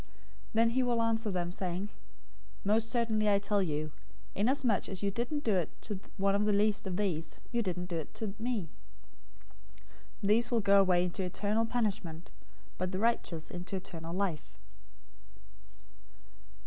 025:045 "Then he will answer them, saying, 'Most certainly I tell you, inasmuch as you didn't do it to one of the least of these, you didn't do it to me.' 025:046 These will go away into eternal punishment, but the righteous into eternal life."